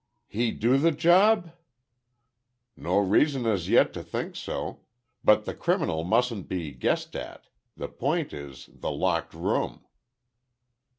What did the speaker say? "He do the job?" "No reason as yet to think so. But the criminal mustn't be guessed at. The point is, the locked room."